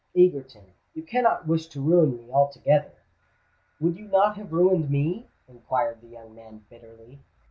"Egerton—you cannot wish to ruin me altogether?" "Would you not have ruined me?" inquired the young man, bitterly.